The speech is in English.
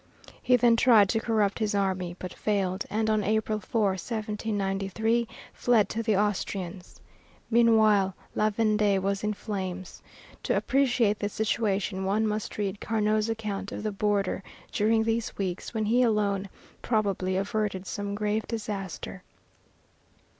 He then tried to corrupt his army, but failed, and on April 4, 1793, fled to the Austrians. Meanwhile, La Vendée was in flames. To appreciate the situation one must read Carnot's account of the border during these weeks when he alone, probably, averted some grave disaster.